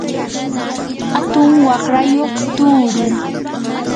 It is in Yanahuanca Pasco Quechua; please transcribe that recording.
atun waqrayuq tuuru.